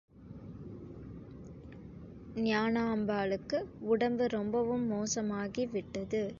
ஞானாம்பாளுக்கு உடம்பு ரொம்பவும் மோசமாகி விட்டது.